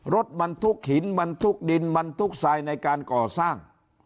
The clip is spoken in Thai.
รถบรรทุกหินบรรทุกดินบรรทุกทรายในการก่อสร้าง